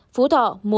phú thọ một